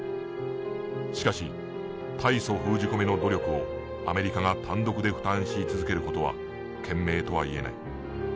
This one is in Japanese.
しかし対ソ封じ込めの努力をアメリカが単独で負担し続ける事は賢明とは言えない。